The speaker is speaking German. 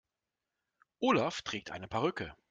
Olaf trägt eine Perücke.